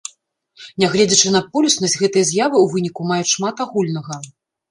Нягледзячы на полюснасць, гэтыя з'явы ў выніку маюць шмат агульнага.